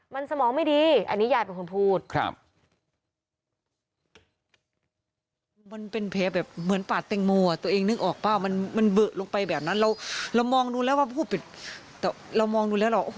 มันสมองไม่ดีอันนี้ยายเป็นคนพูด